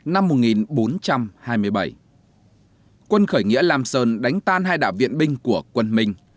năm một nghìn bốn trăm hai mươi bảy quân khởi nghĩa lam sơn đánh tan hai đạo viện binh của quân minh